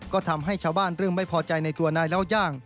ก็ทำให้ชาวบ้านเริ่มไม่พอใจในตัวนายเล่าย่าง